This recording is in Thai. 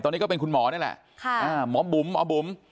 ตอนนี้ก็เป็นคุณหมอนี่แหละหมอบุ๋มหมอบุ๋ม